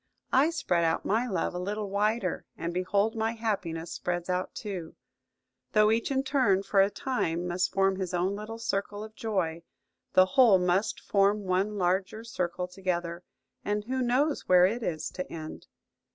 I spread out my love a little wider, and behold my happiness spreads out too! Though each in turn, for a time, must form his own little circle of joy, the whole must form one larger circle together; and who knows where it is to end?"